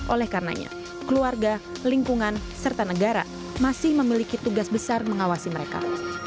oleh karenanya keluarga lingkungan serta negara masih memiliki tugas besar mengawasi mereka